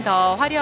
jadi lebih keren